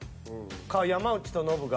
か山内とノブが。